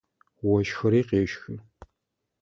Ощхыри къещхы.